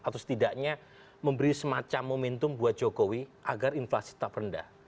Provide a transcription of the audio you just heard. atau setidaknya memberi semacam momentum buat jokowi agar inflasi tetap rendah